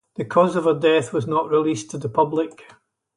The cause of her death was not released to the public.